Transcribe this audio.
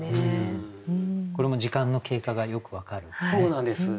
これも時間の経過がよく分かるんですね。